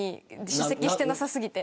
出席しなさ過ぎて。